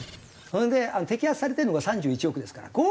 それで摘発されてるのが３１億ですから。